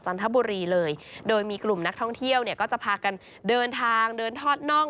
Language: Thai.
ทบุรีเลยโดยมีกลุ่มนักท่องเที่ยวเนี่ยก็จะพากันเดินทางเดินทอดน่อง